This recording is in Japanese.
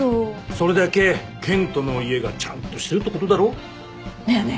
それだけ健人の家がちゃんとしてるってことだろ？だよね。